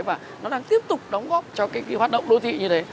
và nó đang tiếp tục đóng góp cho cái hoạt động đô thị như thế